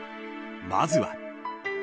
［まずは］